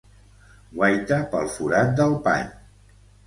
Guaita pel forat del pany.